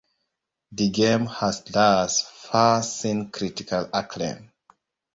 The game has thus far seen critical acclaim.